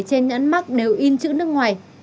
trên nhẫn mắt đều in chữ nước ngoài